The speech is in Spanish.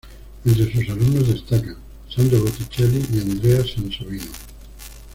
Entre sus alumnos destacan Sandro Botticelli y Andrea Sansovino.